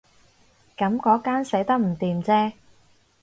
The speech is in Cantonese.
噉嗰間寫得唔掂啫